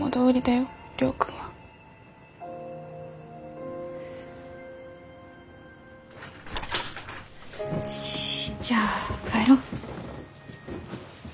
よしじゃあ帰ろ。